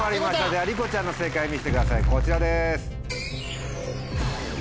ではりこちゃんの正解見せてくださいこちらです。